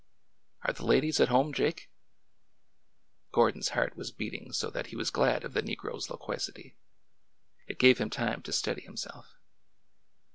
"Are the ladies at home, Jake?" Gordon's heart was beating so that he was glad of the negro's loquacity. It gave him time to steady himself.